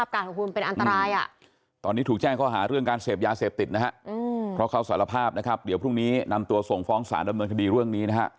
พรุ่งนี้นำตัวส่งฟ้องสารดำเนินคดีเรื่องนี้นะฮะ